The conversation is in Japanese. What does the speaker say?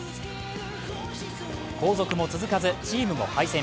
後続も続かずチームも敗戦。